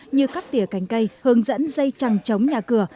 như cắt tỉa cành cây hướng dẫn dây trăng chống nhà cửa